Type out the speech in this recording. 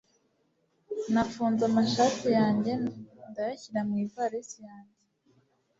nafunze amashati yanjye ndayashyira mu ivarisi yanjye